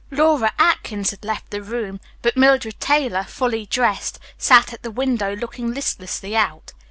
Laura Atkins had left the room, but Mildred Taylor, fully dressed, sat at the window looking listlessly out.